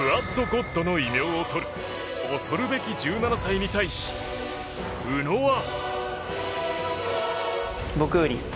ゴッドの異名を取る恐るべき１７歳に対し宇野は。